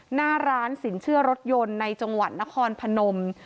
หน้าร้านสินเชื่อรถยนต์ในจังหวัดนครพนม